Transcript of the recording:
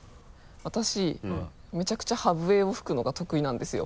私めちゃくちゃ歯笛を吹くのが得意なんですよ。